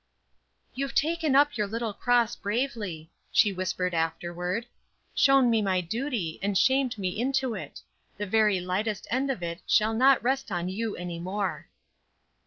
"You've taken up your little cross bravely," she whispered afterward. "Shown me my duty and shamed me into it; the very lightest end of it shall not rest on you any more."